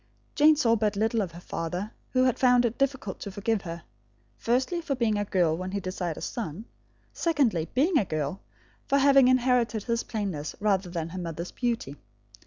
Jane saw but little of her father, who had found it difficult to forgive her, firstly, for being a girl when he desired a son; secondly, being a girl, for having inherited his plainness rather than her mother's beauty.